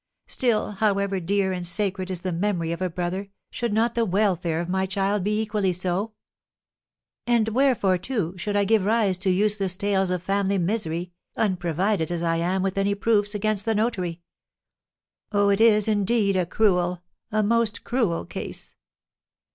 Still, however dear and sacred is the memory of a brother, should not the welfare of my child be equally so? "And wherefore, too, should I give rise to useless tales of family misery, unprovided as I am with any proofs against the notary? Oh, it is, indeed, a cruel, a most cruel case.